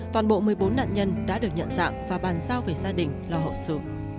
toàn bộ một mươi bốn nạn nhân đã được nhận dạng và bàn giao về gia đình lo hậu sự